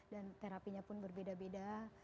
dan terapinya pun berbeda beda